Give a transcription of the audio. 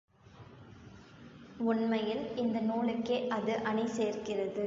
உண்மையில் இந்த நூலுக்கே அது அணி சேர்க்கிறது.